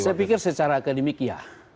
saya pikir secara akademik ya